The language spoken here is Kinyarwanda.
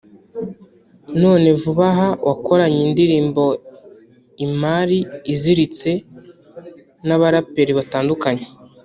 none vuba aha wakoranye indirimbo Imari Iziritse n’abaraperi batandukanye